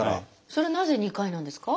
それなぜ２回なんですか？